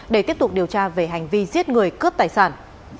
để tiếp tục điều tra về hành vi giết người cướp tài sản